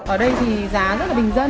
ở đây thì giá rất là bình dân